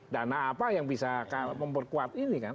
dana apa yang bisa memperkuat ini kan